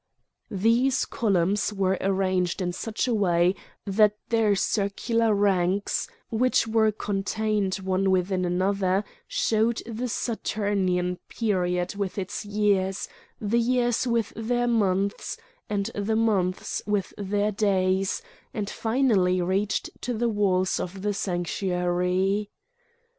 These columns were arranged in such a way that their circular ranks, which were contained one within another, showed the Saturnian period with its years, the years with their months, and the months with their days, and finally reached to the walls of the sanctuary.